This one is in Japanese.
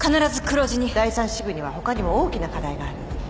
第３支部には他にも大きな課題がある。